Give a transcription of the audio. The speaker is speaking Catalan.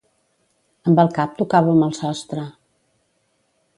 Amb el cap tocàvem al sostre.